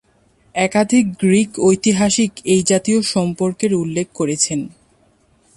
একাধিক গ্রিক ঐতিহাসিক এই জাতীয় সম্পর্কের উল্লেখ করেছেন।